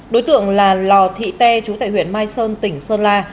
đối tượng là lò thị tê chú tại huyện mai sơn tỉnh sơn la